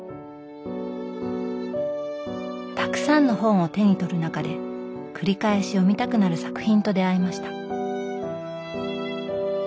たくさんの本を手に取る中で繰り返し読みたくなる作品と出会いました。